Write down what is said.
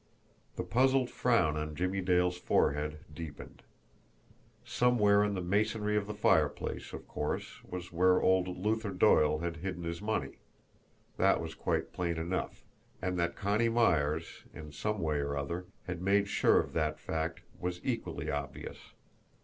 The puzzled frown on Jimmie Dale's forehead deepened. Somewhere in the masonry of the fireplace, of course, was where old Luther Doyle had hidden his money. That was quite plain enough; and that Connie Myers, in some way or other, had made sure of that fact was equally obvious.